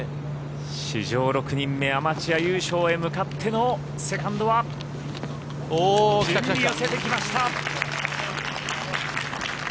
史上６人目アマチュア優勝へ向かってのセカンドはピンに寄せてきました。